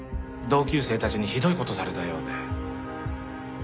同級生たちにひどい事をされたようで。